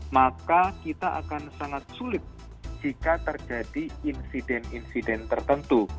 maka kita akan sangat sulit jika terjadi insiden insiden tertentu